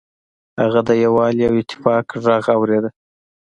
هغه د یووالي او اتفاق غږ اوریده.